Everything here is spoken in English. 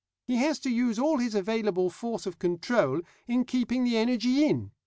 He has to use all his available force of control in keeping the energy in.